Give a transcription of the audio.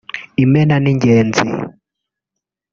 Imena n’Ingenzi